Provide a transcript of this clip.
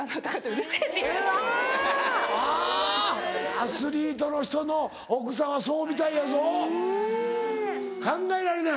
アスリートの人の奥さんはそうみたいやぞ。考えられない？